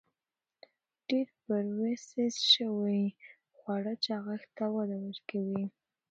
ډېر پروسس شوي خواړه چاغښت ته وده ورکوي.